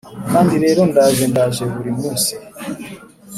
kandi rero ndaje ndaje buri munsi